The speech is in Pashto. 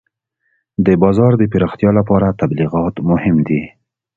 د بازار د پراختیا لپاره تبلیغات مهم دي.